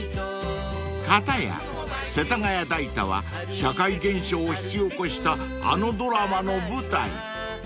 ［片や世田谷代田は社会現象を引き起こしたあのドラマの舞台］